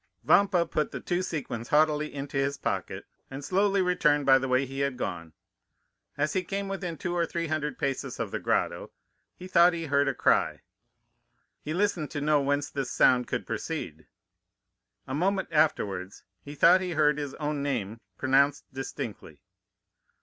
"Vampa put the two sequins haughtily into his pocket, and slowly returned by the way he had gone. As he came within two or three hundred paces of the grotto, he thought he heard a cry. He listened to know whence this sound could proceed. A moment afterwards he thought he heard his own name pronounced distinctly.